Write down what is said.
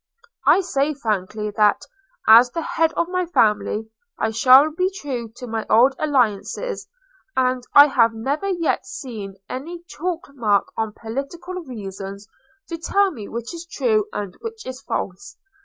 I say frankly that, as the head of my family, I shall be true to my old alliances; and I have never yet seen any chalk mark on political reasons to tell me which is true and which is false.